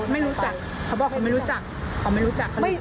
ไม่รู้จักเขาบอกเขาไม่รู้จักเขาไม่รู้จักเขา